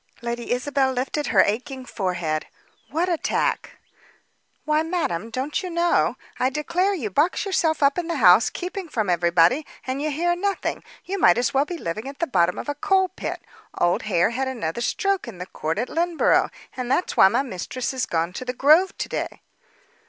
Lady Isabel lifted her aching forehead. "What attack?" "Why, madame, don't you know. I declare you box yourself up in the house, keeping from everybody, and you hear nothing. You might as well be living at the bottom of a coal pit. Old Hare had another stroke in the court at Lynneborough, and that's why my mistress is gone to the Grove to day."